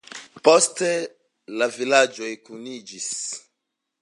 Poste la vilaĝoj kuniĝis.